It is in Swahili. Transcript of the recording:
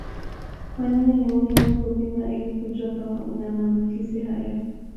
Kwa nini ni muhimu kupima ili kujua kama una maambukizi haya